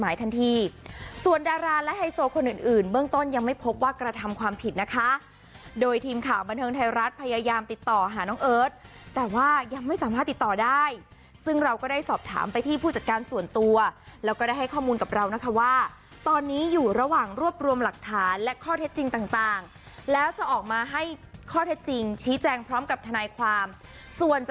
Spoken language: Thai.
ทันทีส่วนดาราและไฮโซคนอื่นอื่นเบื้องต้นยังไม่พบว่ากระทำความผิดนะคะโดยทีมข่าวบันเทิงไทยรัฐพยายามติดต่อหาน้องเอิร์ทแต่ว่ายังไม่สามารถติดต่อได้ซึ่งเราก็ได้สอบถามไปที่ผู้จัดการส่วนตัวแล้วก็ได้ให้ข้อมูลกับเรานะคะว่าตอนนี้อยู่ระหว่างรวบรวมหลักฐานและข้อเท็จจริงต่างแล้วจะออกมาให้ข้อเท็จจริงชี้แจงพร้อมกับทนายความส่วนจะ